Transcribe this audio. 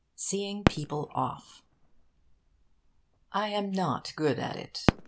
SEEING PEOPLE OFF I am not good at it.